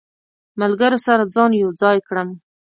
ملګرو سره ځان یو ځای کړم.